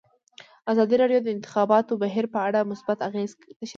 ازادي راډیو د د انتخاباتو بهیر په اړه مثبت اغېزې تشریح کړي.